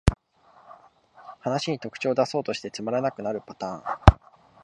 話に特徴だそうとしてつまらなくなるパターン